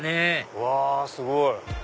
うわすごい。